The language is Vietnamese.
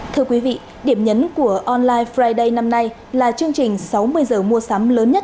thưa quý vị điểm nhấn của online friday năm nay là chương trình sáu mươi h mua sắm lớn nhất